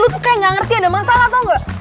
lo tuh kayak gak ngerti ada masalah tau gak